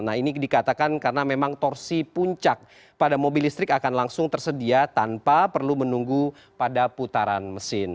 nah ini dikatakan karena memang torsi puncak pada mobil listrik akan langsung tersedia tanpa perlu menunggu pada putaran mesin